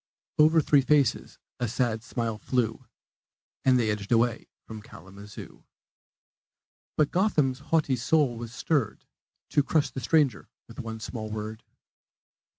Over three faces a sad smile flew, And they edged away from Kalamazoo. But Gotham's haughty soul was stirred To crush the stranger with one small word.